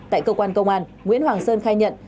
tại cơ quan công an nguyễn hoàng sơn khai nhận